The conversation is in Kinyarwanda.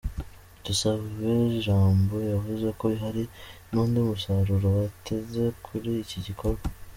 Dusabejaambo yavuze ko hari n’undi musaruro bateze kuri iki gikorwa.